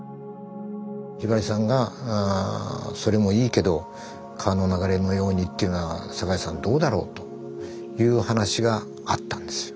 ひばりさんがそれもいいけど「川の流れのように」っていうのは境さんどうだろう？という話があったんですよ。